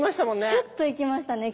シュっといきましたね。